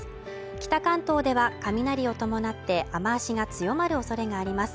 北関東では雷を伴って雨脚が強まるおそれがあります。